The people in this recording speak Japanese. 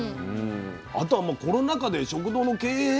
あとはコロナ禍で食堂の経営